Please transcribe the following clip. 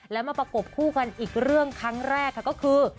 แล้วมาประกบคู่กันอีกเรื่องครั้งแรกค่ะก็คือ